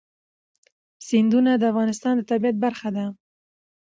سیندونه د افغانستان د طبیعت برخه ده.